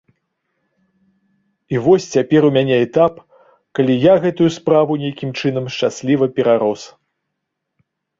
І вось цяпер у мяне этап, калі я гэтую справу нейкім чынам шчасліва перарос.